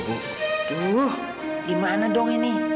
duh gimana dong ini